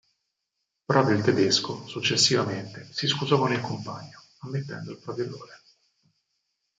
Proprio il tedesco successivamente si scusò con il compagno, ammettendo il proprio errore.